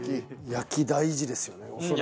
焼き大事ですよね恐らく。